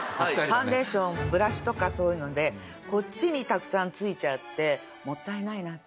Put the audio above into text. ファンデーションブラシとかそういうのでこっちにたくさん付いちゃってもったいないなって思ったりする。